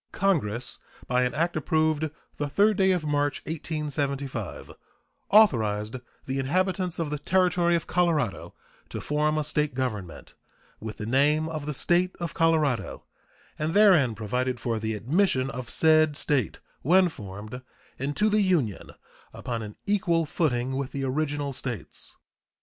Congress, by an act approved the 3d day of March, 1875, authorized the inhabitants of the Territory of Colorado to form a State government, with the name of the State of Colorado, and therein provided for the admission of said State, when formed, into the Union upon an equal footing with the original States.